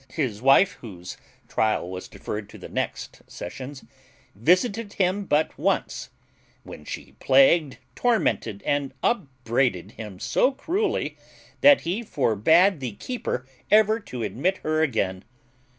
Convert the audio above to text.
His wife, whose trial was deferred to the next sessions, visited him but once, when she plagued, tormented, and upbraided him so cruelly, that he forbad the keeper ever to admit her again.